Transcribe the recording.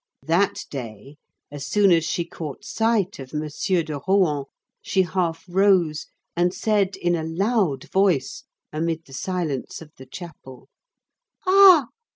That day, as soon as she caught sight of M. de Rohan, she half rose, and said, in a loud voice, amid the silence of the chapel, "Ah!